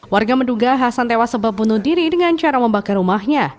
warga menduga hasan tewas sebab bunuh diri dengan cara membakar rumahnya